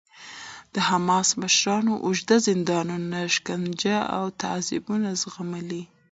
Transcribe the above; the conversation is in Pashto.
د حماس مشرانو اوږده زندانونه، شکنجه او تعذیبونه زغملي دي.